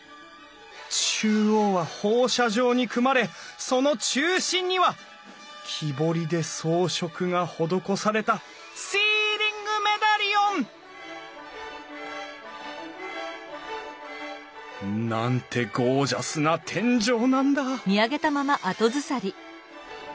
中央は放射状に組まれその中心には木彫りで装飾が施されたシーリングメダリオン！なんてゴージャスな天井なんだ！